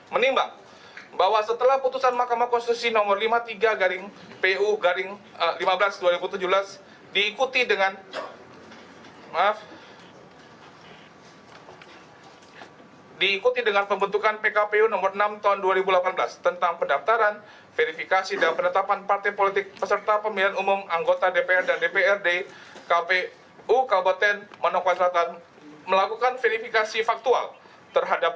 menimbang bahwa pasal lima belas ayat satu pkpu no enam tahun dua ribu delapan belas tentang pendaftaran verifikasi dan pendatapan partai politik peserta pemilihan umum anggota dewan perwakilan rakyat daerah